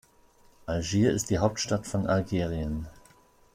Algier ist die Hauptstadt von Algerien.